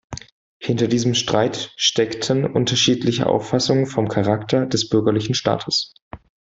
Hinter diesem Streit steckten unterschiedliche Auffassungen vom Charakter des bürgerlichen Staates.